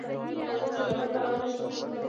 افغانستان د سیلابونه له امله شهرت لري.